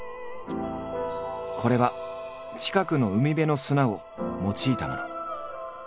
これは近くの海辺の砂を用いたもの。